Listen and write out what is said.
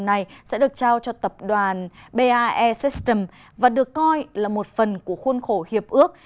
tàu ngầm này sẽ được trao cho tập đoàn bae systems và được coi là một phần của khuôn khổ hiệp ước